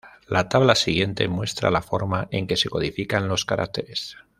La tabla siguiente muestra la forma en que se codifican los caracteres.